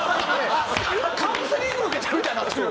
カウンセリング受けてるみたいになってる。